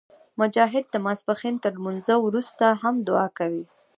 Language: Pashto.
مجاهد د ماسپښین تر لمونځه وروسته هم دعا کوي.